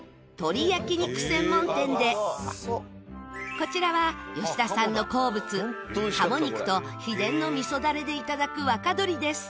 こちらは吉田さんの好物かも肉と秘伝のみそダレでいただく若どりです。